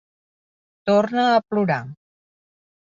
Torna a plorar.